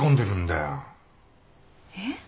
えっ？